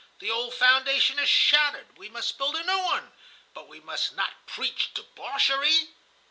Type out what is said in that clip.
The old foundation is shattered; we must build a new one, but we must not preach debauchery."